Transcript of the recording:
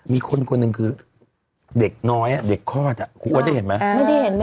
มีคนคนหนึ่งคือเด็กน้อยเด็กคลอดครูอ้วนได้เห็นไหม